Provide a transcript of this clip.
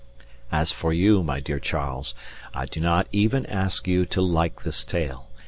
As for you, my dear Charles, I do not even ask you to like this tale.